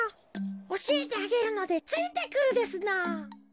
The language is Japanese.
おしえてあげるのでついてくるですのぉ。